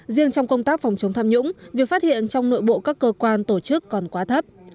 riêng trong công tác phòng chống tham nhũng việc phát hiện trong nội bộ các cơ quan tổ chức còn quá thấp